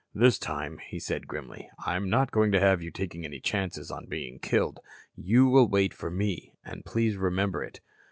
"This time," he said grimly, "I'm not going to have you taking any chances on being killed. You will wait for me, and please remember it."